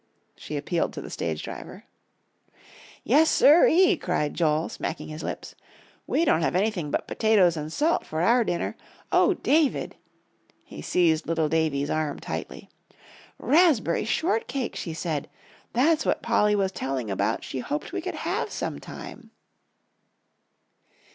She appealed to the stage driver. "Yes sir ree!" cried Joel, smacking his lips; "we don't have anything but potatoes and salt for our dinner. Oh, David!" he seized little Davie's arm tightly, "raspberry shortcake, she said; that's what Polly was telling about she hoped we could have sometime."